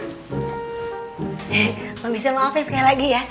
eh mpamir saya maafin sekali lagi ya